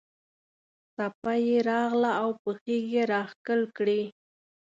څپه یې راغله او پښې یې راښکل کړې.